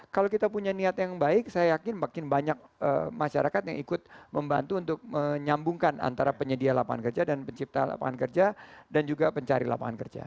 kalau kita punya niat yang baik saya yakin makin banyak masyarakat yang ikut membantu untuk menyambungkan antara penyedia lapangan kerja dan pencipta lapangan kerja dan juga pencari lapangan kerja